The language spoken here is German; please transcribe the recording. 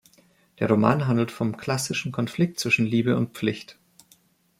Der Roman handelt vom klassischen Konflikt zwischen Liebe und Pflicht.